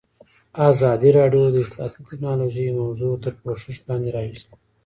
ازادي راډیو د اطلاعاتی تکنالوژي موضوع تر پوښښ لاندې راوستې.